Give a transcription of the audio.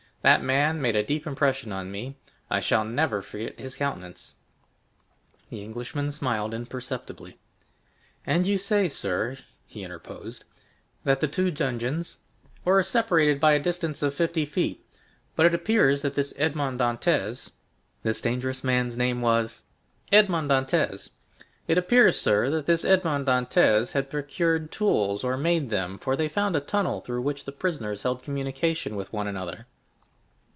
That man made a deep impression on me; I shall never forget his countenance!" 20025m The Englishman smiled imperceptibly. "And you say, sir," he interposed, "that the two dungeons——" "Were separated by a distance of fifty feet; but it appears that this Edmond Dantès——" "This dangerous man's name was——" "Edmond Dantès. It appears, sir, that this Edmond Dantès had procured tools, or made them, for they found a tunnel through which the prisoners held communication with one another."